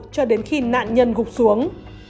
cho đến khi nạn nhân gục xuống